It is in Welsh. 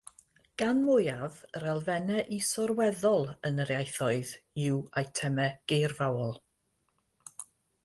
Gan mwyaf, yr elfennau is-orweddol yn yr ieithoedd yw eitemau geirfaol.